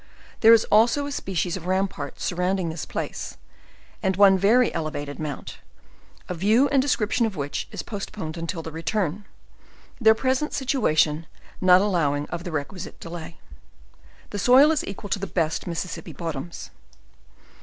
There is al so a species of rampart surrounding this place, and one very elevated mount, a view and description of which is postpon^ ed till the return; their present situation not allowing of the requisite delay. The soil is equal to the best Mississippi bottoms.